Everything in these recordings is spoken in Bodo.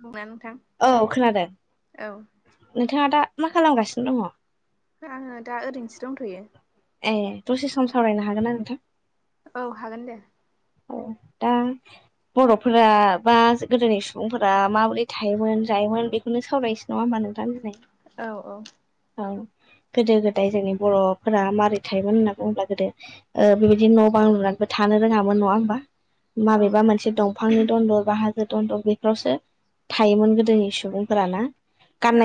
खोना नोंथां? औ खोनादों। औ। नोंथाङा दा मा खालामगासिनो दङ? आङो दा ओरैनोसो दंथ'यो। ए दसे सम सावरायनो हागोन ना नोंथां? औ हागोन दे। औ दा बर'फोरा बा गोदोनि सुबुंफोरा माबोरै थायोमोन जायोमोन बेखौनो सावरायनोसै नङा होमबा नों थां। औ औ औ गोदो गोदाय जोंनि बर'फोरा माबारै थायोमोन होनना बुङोब्ला गोदो ओ बेबायदि न' बां लुनानैबो थानो रोङामोन नङा होमबा औ माबेबा मोनसे दं दंफांनि दन्दर बा हाजो दन्दर बेफोरावसो थायोमोन गोदोनि सुबुंफोरा ना?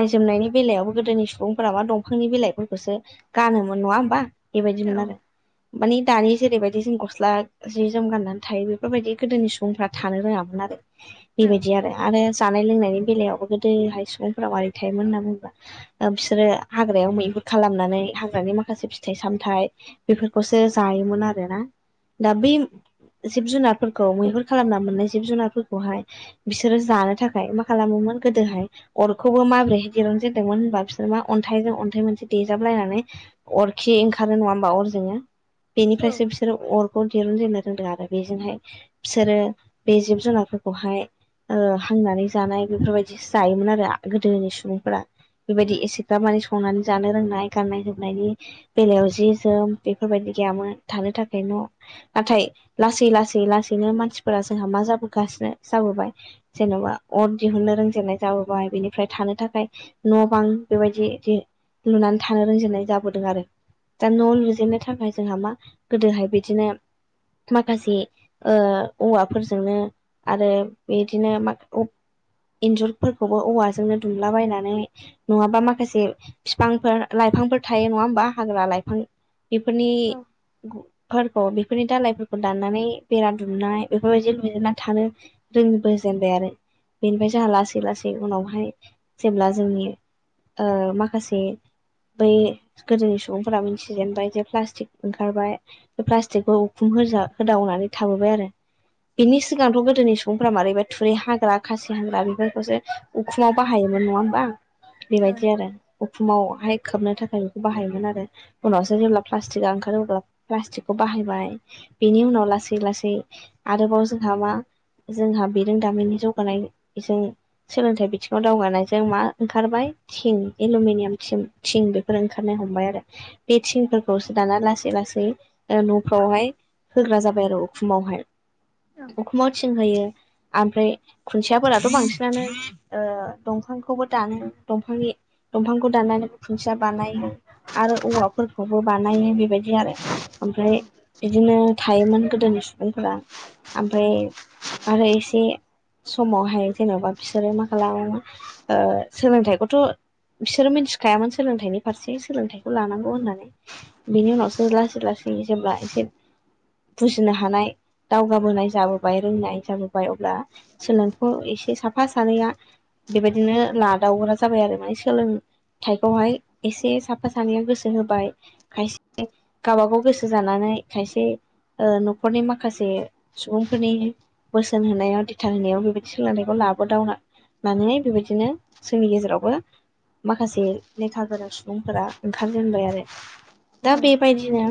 औ जोमनायनि बेलायावबो गोदोनि सुबुं फोराबा दंफांनि बिलाइफोरखौसो गानोमोन नङा होमबा औ बेबायदिमोन आरो। मानि दानि जेरैबायदि जों गस्ला जि जोम गाननानै थायो। बेफोरबायदि गोदोनि सुबुंफ्रा थानो रोङामोन आरो बेबायदि औ आरो। आरो जानाय लोंनायनि बेलायावबो गोदोहाय सुबुंफोराव मरै थायोमोन होनना बुङोब्ला ओ बिसोरो हाग्रायाव मैहुर खालामनानै हाग्रानि माखासे फिथाइ सामथाइ बेफोरखौसो जायोमोन आरोना? दा बै जिब जुनारफोरखौ मैहुर खालामना मोननाय जिब जुनारफोरखौहाय बिसोरो जानो थाखाय मा खालामोमोन गोदोहाय अरखौबो माब्रैहाय दिरुनजेनदोंमोन होनबा बिसोर मा अन्थाइजों अन्थाइ मोनसे देजाबलायनानै अरखि ओंखारो नङा होमबा अरजोंङो औ बेनिफ्रायसो बिसोरो अर खौ दिरुनजेननो रोंदों आरो बेजोंहाय बिसोरो बे जिब जुनारफोरखौहाय ओ हांनानै जानाय बेफोरबायदिसो जायोमोन आरो गोदोनि सुबुंफोरा बेबायदि एसे दामाने संनानै जानो रोंनाय गाननाय जोमनायनि बेलायाव जि जोम बेफोरबायदि गैयामोन थानो थाखाय न' नाथाय लासै लासै लासैनो मानसिफोरा जोंहा मा जाबोगासिनो जाबोबाय जेन'बा अर दिहुननो रोंजेननाय जाबोबाय बेनिफ्राय थानो थाखाय न' बां बेबायदि दि लुनानै थानो रोंजेननाय जाबोदों आरो दा न' लुजेननो थाखाय जोंहा मा गोदोहाय बिदिनो माखासे ओ औवाफोरजोंनो आरो बिदिनो मा औ एन्जुरफोरखौबो औवाजोंनो दुमलाबायनानै नङाबा माखासे बिफांफोर लाइफांफोर थायो नङा होमबा हाग्रा लाइफां बेफोरनि फोरखौ बेफोरनि दालाायफोरखौ दाननानै बेरा दुमनाय बेफोरबायदि लुना थानो रोंबोजेनबाय आरो बेनिफ्राय जोंहा लासै लासै उनावहाय जेब्ला जोंनि ओ माखासे बै गोदोनि सुबुंफोरा मिथिजेनबाय जे प्लास्टिक ओंखारबाय बे प्लास्टिकखौ उखुम होजा होदावनानै थाबोबाय आरो बिनि सिगांथ' गोदोनि सुबुंफोरा मारैबा थुरि हाग्रा खासि हाग्रा बेफोरखौसो उखुमाव बाहायोमोन नङा होमबा बेबायदि आरो उखुमावहाय खोबनो थाखाय बेखौ बाहायोमोन आरो उनावसो जेब्ला प्लास्टिकआ ओंखारो अब्ला प्लास्टिक खौ बाहायबाय बेनि उनाव लासै लासै आरोबाव जोंहा मा जोंहा बिरोंदामिननि जौगानाय बिजों सोलोंथाइ बिथिङाव दावगानायजों मा ओंखारबाय थिं एलुमिनियाम थिं थिं बेफोर ओंखारनो हमबाय आरो बे थिंफोरखौसो दाना लासै लासै ओ न'फ्रावहाय होग्रा जाबाय आरो उखुमावहाय उखुमाव थिं होयो आमफ्राय खुन्थियाफोराथ' बांसिनानो ओ दंफांखौबो दानो दंफांनि दंफांखौ दाननानै खुन्थिया बानाय आरो औवाफोरखौबो बानायो बेबायदि आरो ओमफ्राय बिदिनो थायोमोन गोदोनि सुबुंफोरा आमफाय आरो एसे समावहाय जेन'बा बिसोरो मा खालामो ओ सोलोंथाइखौथ' बिसोरो मिथिखायामोन सोलोंथाइनि फारसे सोलोंथाइखौ लानांगौ होननानै बिनि उनावसो लासै लासै जेब्ला एसे बुजिनो हानाय दावगाबोनाय जाबोबाय रोंनाय जाबोबाय अब्ला सोलों [unintelligible] खौ एसे साफा सानैया बेबायदिनो लादावग्रा जाबाय आरो माने सोलों थाइखौहाय एसे साफा सानैया गोसो होबाय खायसे गावबागाव गोसो गोसो जानानै खायसे ओ न'खरनि माखासे सुबुंफोरनि बोसोन होनायाव दिथा होनायाव बेबायदि सोलोंथाइखौ लाबोदावना नानै बेबायदिनो जोंनि गेजेरावबो माखासे लेखा गोरा सुबुंफोरा ओंखारजेनबाय आरो दा बेबायदिनो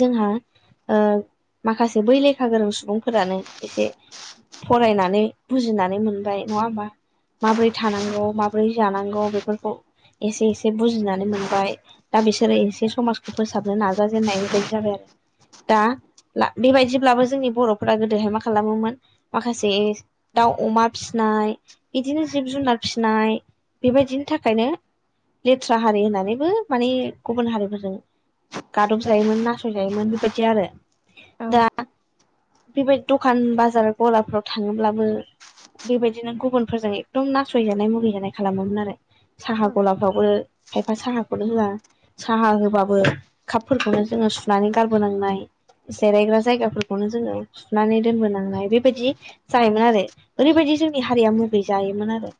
जोंहा ओ माखासे बै लेखा गोरों सुबुंफोरानो एसे फरायनानै बुजिनानै मोनबाय नङा होमबा माब्रै थानांगौ माब्रै जानांगौ बेफोरखौ एसे एसे बुजिनानै मोनबाय दा बिसोरो एसे समाजखौ फोसाबनो नाजा जोननाय बेबायदि जाबाय आरो दा ला बेबायदिब्लाबो जोंनि बर'फोरा गोदोहाय मा खालामोमोन माखासे दाउ अमा फिसिनाय बिदिनो जिब जुनार फिसिनाय बेबायदिनि थाखायनो लेथ्रा हारि होननानैबो माने गुबुन हारिफोरजों गादब जायोमोन नासयजायोमोन बेबायदि आरो दा बेबायदि दखान बाजार गलाफ्राव थाङोब्लाबो बेबायदिनो गुबुनफोरजों एकदम नासयजानाय मुगै जानाय खालामोमोन आरो साहा गलाफ्रावबो खायफा साहाखौनो होआ साहा होबाबो खापफोरखौनो जोङो सुनानै गारबोनांनाय जेरायग्रा जायगाफोरखौनो जोङो सुनानै दोनबोनांनाय बेबायदि जायोमोन आरो ओरैबायदि जोंनि हारिया मगै जायोमोन आरो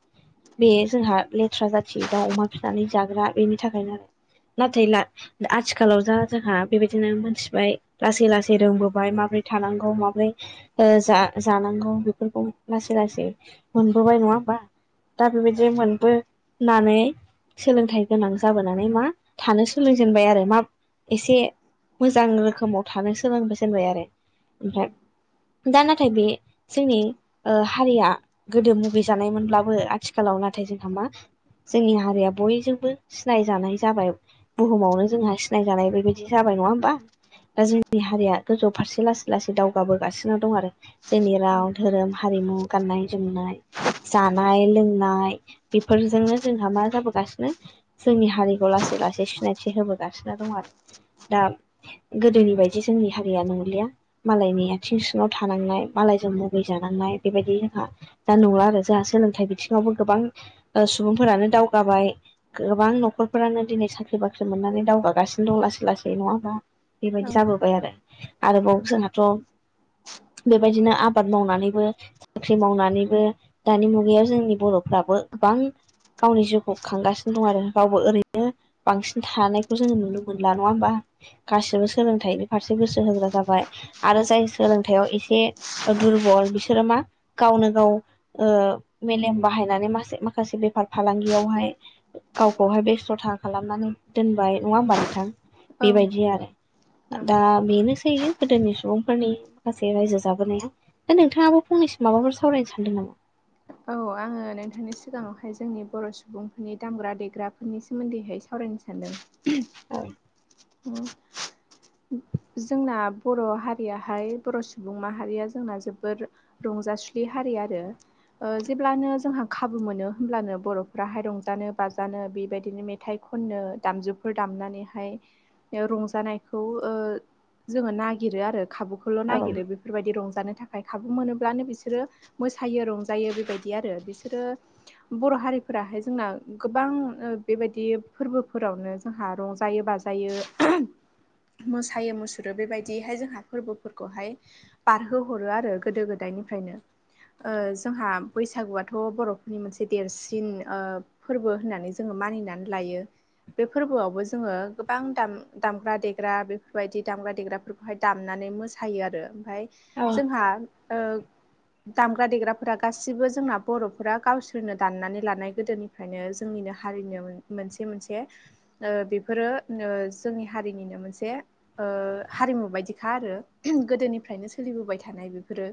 बे जोंहा लेथ्रा जाथि दाउ अमा फिनानै जाग्रा बेनि थाखायनो आरो नाथाय ला आथिख आथिखालाव जा जोंहा बेबायदिनो मोनथिबाय लासै लासै रोंबोबाय माबोरै थानांगौ माबोरै ओ जा-जानांगौ बेफोरखौ लासै लासै मोनबोबाय नङा होमबा दा बेबायदि मोनबो होननानै सोलोंथाइ गोनां जाबोनानै मा थानो सोलोंजेनबाय आरो मा एसे मोजां रोखोमाव थानो सोलोंबाय जेनबाय आरो ओमफ्राय दा नाथाय बे जोंनि ओ हारिया गोदो मुगै जानायमोनब्लाबो आथिखालाव नाथाय जोंहा मा जोंनि हारिया बयजोंबो सिनायजानाय जाबाय बुहुमावनो जोंहा सि सिनायजानाय बेबायदि जाबाय नङा होमबा दा जोंनि हारिया गोजौ फारसे लासै लासै दावगाबोगासिनो दं आरो जोंनि राव धोरोम हारिमु गाननाय जोमनाय जानाय लोंनाय बेफोरजोंनो जोंहा मा जाबोगासिनो जोंनि हारिखौ लासै लासै सिनायथि होबोगासिनो दं आरो दा गोदोनि बायदि जोंनि हारिया नंलिया मालायनि आथिं सिङाव थानांनाय मालायजों मुगै जानांनाय बेबायदि जोंहा दा नंला आरो जोंहा सोलोंथाइ बिथिङावबो गोबां ओ सुबुंफोरानो दावगाबाय गोबां न'खरफोरानो दिनै साख्रि बाख्रि मोननानै दाव गासिनो दं लासै लासै नङा होमबा औ बेबायदि जाबोबाय आरो आरोबाव जोंहाथ' बेबायदिनो आबाद मावनानैबो साख्रि मावनानैबो दानि मुगायाव जोंनि बर'फ्राबो गोबां गावनि जिउखौ खांगासिनो दं आरो रावबो ओरैनो बांसिन थानाय खौ जोङो नुनो मोनला नङा होमबा गासिबो सोलोंथाइनि फारसे गोसो होग्रा जाबाय आरो जाय सोलोंथाइआव एसे दुरबल बिसोरो मा गावनो गाव ओ मेलेम बाहायनानै मासे-माखासे बेफार फालांगियावहाय गावखौहाय बेस्थ'था खालामनानै दोनबाय नङा होमबा नोंथां बेबायदि आरो दा बेनोसैयो गोदोनि सुबुंफोरनि माखासे रायजो जाबोनाया दा नोंथाङाबो फंनैसो माबाफोर सावरायनो सानदों नामा? औ आङो नोंथांनि सिगाङावहाय जोंनि बर' सुबुंफोरनि दामग्रा देग्रा फोरनि सोमोन्दैहाय सावरायनो सानदों औ उम जोंना बर' हारियाहाय बर' सुबुं माहारिया जोंना जोबोर रंजासुलि हारि आरो ओ जेब्लानो जोंहा खाबु मोनो होमब्लानो बर'फ्राहाय रंजानो बाजानो बेबायदिनो मेथाइ खननो दामजुफोर दामनानैहाय ओ रंजानायखौ ओ जोङो नागिरो आरो खाबुखौल' औ नागिरो बेब बेफोरबायदि रंजानो थाखाय खाबु मोनोब्लानो बिसोरो मोसायो रंजायो बेबायदि आरो बिसोरो बर' हारिफोराहाय जोंना गोबां ओ बेबायदि फोरबोफोरावनो जोंहा रंजायो बाजायो मोसा यो-मुसुरो बेबायदिहाय जोंहा फोरबोफोरखौहाय बारहो हरो आरो गोदो-गोदायनिफ्रायनो। ओ जोंहा बैसागुआथ' बर'फोरनि मोनसे देरसिन ओ फोरबो होननानै जोङो मानिनानै लायो। बे फोरबोआवबो जोङो गोबां दाम-दामग्रा-देग्रा बे फोरबायायदि दामग्र- देग्राफोरखौहाय दामनानै मोसायो आरो ओमफाय औ जोंहा दामग्रा-देग्राफोरा गासिबो जोंना बर'फोरा गावसोरनो दाननानै लानाय गोदोनि ओंखायनो जोंनिनो हारिनो मोनसे मोनसे ओ बेफोरो ओ जोंनि हारिनिनो मोनसे ओ हारिमु बायदिखा आरो गोदोनिफ्रायनो सोलिबोबाय थानाय बेफोरो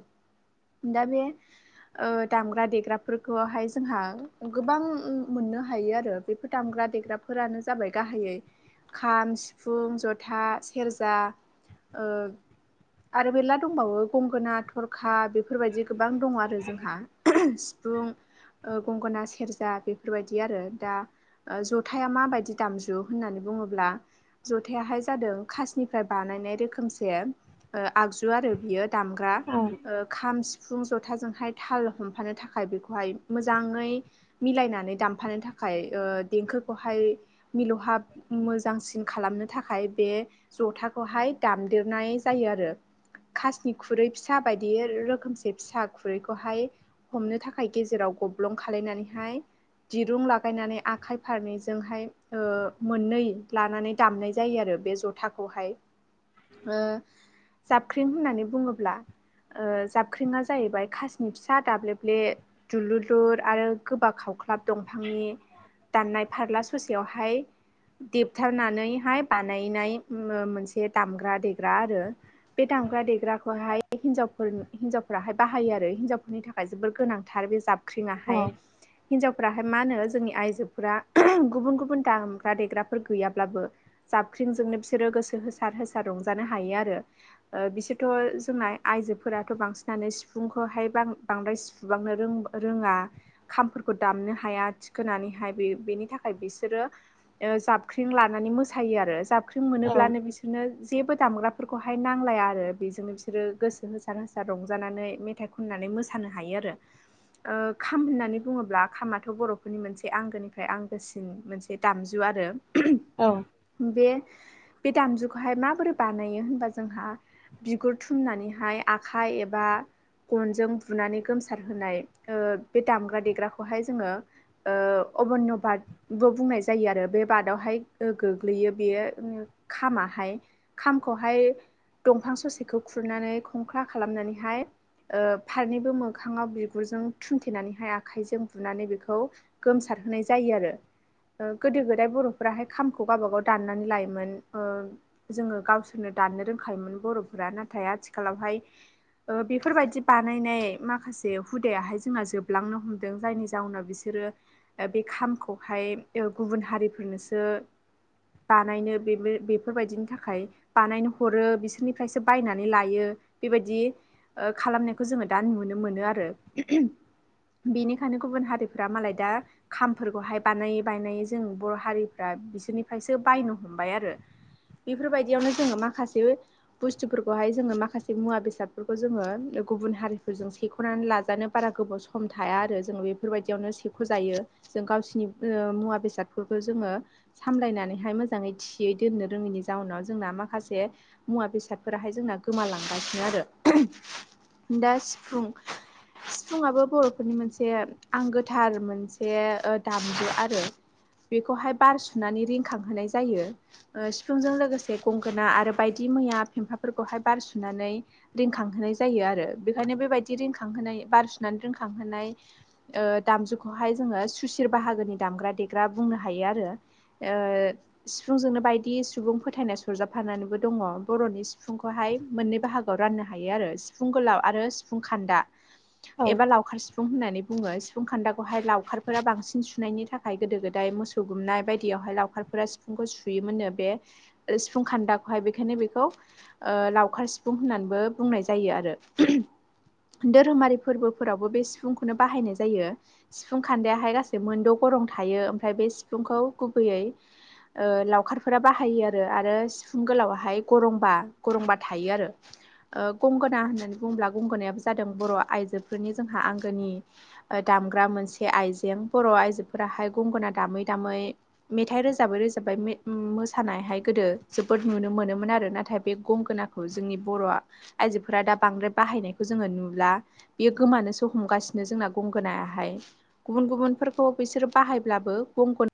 दा बे ओ दामग्रा-देग्राफोरखौहाय जोंहा गोबां मोननो हायो आरो बेफोर दामग्रा देग्राफोरानो जाबाय गाहायै खाम, सिफुं, जथा सेरजा ओ आरो मेरला दंबावो गंगोना, थरखा बेफोरबायदि गोबां दङ आरो जोंहा। सिफुं, ओ गंगोना, सेरजा बेफोरबायदि आरो दा ओ ज'थाया माबायदि दामजु होननानै बुङोब्ला ज'थायाहाय जादों खासनिफ्राय बानायनाय रोखोमसे ओआगजु आरो बियो दामग्रा औ ओ खाम सि फुं, ज'थाजोंहाय थाल हमफानो थाखाय बेखौहाय मोजाङै मिलायनानै दामफानो थाखाय ओ देंखोखौहाय मिलौहाब मोजांसिन खालामनो थाखाय बे ज'थाखौहाय दामदेरनाय जायो आरो। खासनि खुरै फिसा बायदि रोखोमसे फिसा खुरैखौहाय हमनो थाखाय गेजेराव गब्लं खालायनानैहाय दिरुं लागायनानै आखाइ फारनैजोंहाय ओ मोननै लानानै दामनाय जायो आरो बे जथाखौहाय ओ जाबख्रिं होननानै बुङोब्ला ओ जाबख्रिङा जाहैबाय खासिनि फिसा दाब्लेब्ले दुलुलुर आरो गोबा खावख्लाब दंफांनि दाननाय फारला ससेयावहाय देबथारनानैहाय बानायनाय ओ मोनसे दामग्रा-देग्रा आरो बे दामग्रा-देग्राखौहाय हिनजावफोरनो हिनजावफोराहाय बाहायो आरो हिनजावफोरनि थाखाय जोबोर गोनांथार बे जाब ख्रिङाहाय हिनजावफ्राहाय मा होनो जोंनि आइजोफोरा गुबुन गुबुन दामग्रा-देग्राफोर गैयाब्लाबो जाबख्रिंजोंनो बिसोरो गोसो होसार होसार रंजानो हायो आरो। ओ बिसोरथ' जोंना आइजोफोराथ' बांसिनानो सिफुंखौहाय बां द्राय सुबांनो रों-रोङा। खामफोरखौ दामनो हाया थिखोनानैहाय बे-बेनि थाखाय बिसोरो ओ जाबख्रिं लानानै मोसायो आरो जाबख्रिं औ मोनोब्लानो बिसो रनो जेबो दामग्राफोरखौहाय नांलाया आरो बेजोंनो बिसोरो गोसो होसार होसार रंजानानै मेथाइ खननानै मोसानो हायो आरो। ओ खाम होननानै बुङोब्ला खामाथ' बर'फोरनि मोनसे आंगोनिफ्राय आंगोसिन मोनसे बे दामजु आरो औ बे बे दामजुखोहाय माबोरै बानायो होनबा जोंहा बिगुर थुमनानैहाय आखाइ एबा गनजों बुनानै गोमसारहोनाय ओ बे दामग्रा-देग्राखौहाय जोङो ओ अबन्य बादबो बुंनाय जायो आरो बे बादावहाय ओ गोग्लैयो बेयो खामाहाय खामखौहाय दंफां ससेखौ खुरनानै खंख्ला खालामनानैहाय ओ फारनैबो मोखाङाव बिगुरजों थुमथेनानैहाय आखाइजों बुनानै बेखौ गोमसारहोनाय जायो आरो गोदो गोदाय बर'फोराहाय खामखौ गावबागाव दाननानै लायो मोन ओ जोङो गावसोरनो दाननो रोंखायोमोन बर'फोरा नाथाय आथिखालावहाय ओ बेफोरबायदि बानायनाय माखासे हुदायाहाय जोंना जोबलांनो हमदों जायनि जाउनाव बिसो सोरो ओ बे खामखौहाय ओ गुबुन हारिफोरनोसो बानायनो बेबो बेफोरबायदिनि थाखाय बानायनो हरो बिसोरनिफ्रायसो बायनानै लायो बेबादि ओ खालामनायखौ जोङो दा नुनो मोनो आरो बेनिखायनो गुबुन हारिफ्रा मालाय दा खामफोरखौहाय बानायै बायनायै जों बर' हारिफ्रा बिसोरनिफ्रायसो बायनो हमबाय आरो बेफोरबायदियावनो जोङो माखासे बुस्थुफोरखौहाय जोङो माखासे मुवा बेसादफोरखौ जोङो गुबुन हारिफोरजों सेख'नानै लाजानो बारा गोबाव सम थाया आरो जों बेफोरबादियावनो सेख' जायो जों गावसिनि ओ मुवा बेसादफोरखौ जोङो सामलायनानैहाय मो जाङै थियै दोननो रोङैनि जाउनाव जोंना माखासे मुवा बेसादफोराहाय जोंना गोमालांगासिनो आरो दा सिफुं सिफुुंआबो बर'फोरनि मोनसे आंगोथार मोनसे ओ दामजु आरो बेखौहाय बार सुनानै रिंखांहोनाय जायो ओ सिफुंजों लोगोसे गंगोना आरो बायदि मैया फेम्फाफोरखौहाय बारसुनानै रिंखांहोनाय जायो आरो बेखायनो बेबायदि रिंखांहोनाय बार सुनानै रिंखांहोनाय ओ दामजुखौहाय जोङो सुसिर बाहागोनि दामग्रा देग्रा बुंनो हायो आरो ओ सिफुंजोंनो बायदि सुबुं फोथायनाय सरजाबफानानैबो दङ बर'नि सिफुंखौहाय मोननै बाहा गोआव राननो हायो आरो सिफुं गोलाव आरो सिफुं खान्दा [inaudible] एबा लावखार सिफुं होननानै बुङो सिफुं खान्दाखौहाय लावखारफोरा बांसिन सुनायनि थाखाय गोदो गोदाय मो सौ गुमनाय बायदियावहाय लावखारफोरा सि फुंखौ सुयोमोननो बे ओ सिफुं खान्दाखौहाय बेखायनो बेखौ ओ लावखार सिफुं होननानैबो बुंनाय जायो आरो दोरोमारि फोरबोफोरावबो बे सिफुंखौनो बाहायनाय जायो सिफुं खान्दायाहाय गासै मोनद' गरं थायो ओमफ्राय बे सिफुंखौ गुबैयै ओ लावखारफोरा बाहायो आरो आरो सिफुं गोलावहाय गरंबा गरंबा थायो आरो। ओ गंगोना होननानै बुङोब्ला गंगोनायाबो जादों बर' आइजोफोरनि जोंहा आंगोनि दामग्रा मोनसे आइजें बर' आइजोफोराहाय गंगोना दामै दामै मेथाइ रोजाबै रो थाबाय मे ओ मोसानायहाय गोदो जोबोद नुनो मोनोमोन आरो नाथाय बे गंगोनाखौ जोंनि बर'आ आइजोफोरा दा बांद्राय बाहायनायखौ जोङो नुला बेयो गोमानोसो हमगासिनो जोंना गंगोनायाहाय गुबुन गुबुनफोरखौ बिसोरो बाहायब्लाबो गं